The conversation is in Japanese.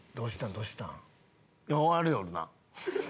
どうしたん？